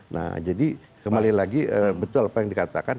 nah jadi kembali lagi betul apa yang dikatakan